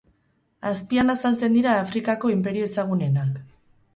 Azpian azaltzen dira Afrikako inperio ezagunenak.